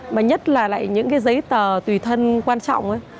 mà nhất là lại những cái giấy tờ tùy thân quan trọng ấy